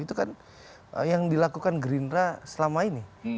itu kan yang dilakukan gerindra selama ini